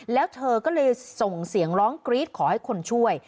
แล้วเธอก็เลยส่งเสียงร้องกรี๊ดขอให้คนช่วย